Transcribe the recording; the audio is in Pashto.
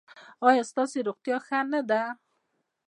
ایا ستاسو روغتیا ښه نه ده؟